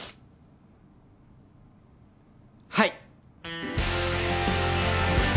はい！